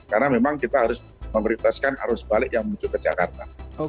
karena memang kita harus memberitaskan arus balik yang menuju ke jakarta